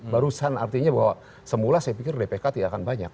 barusan artinya bahwa semula saya pikir dpk tidak akan banyak